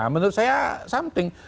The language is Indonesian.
menurut saya something